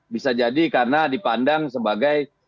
bisa jadi karena dipandang sebagai